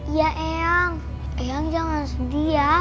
iya eyang eyang jangan sedih ya